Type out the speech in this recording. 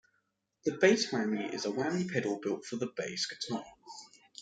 The Bass Whammy is a Whammy pedal built for bass guitar.